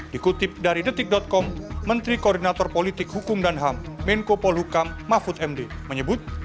dikutip dari detik com menteri koordinator politik hukum dan ham menko polhukam mahfud md menyebut